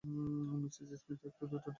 Mrs Smith প্রতি ticket দু-ডলার করে বেচেছেন।